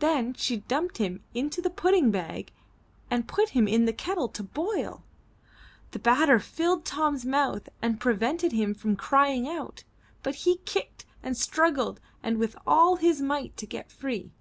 Then she dumped him into the pudding bag and put him in the kettle to boil. The batter filled Tom's mouth and prevented him from crying out, but he kicked and struggled with all his might to get himself free.